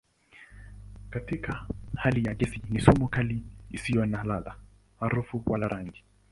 Katika hali ya gesi ni sumu kali isiyo na ladha, harufu wala rangi.